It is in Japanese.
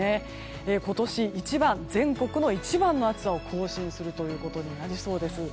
今年一番、全国の一番の暑さを更新することになりそうです。